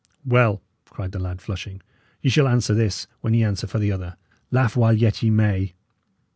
"Well," cried the lad, flushing, "ye shall answer this when ye answer for the other. Laugh while yet ye may!"